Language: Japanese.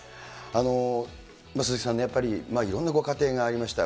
鈴木さんね、やっぱりいろんなご家庭がありました。